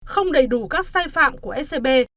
không đầy đủ các sai phạm của scb